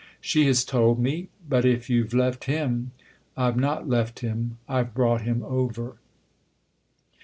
" She has told me. But if you've left him "" I've not left him. I've brought him over."